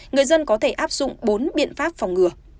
người dân có thể áp dụng bốn biện pháp phòng ngừa